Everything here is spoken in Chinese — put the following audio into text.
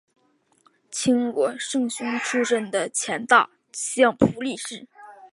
清国胜雄出身的前大相扑力士。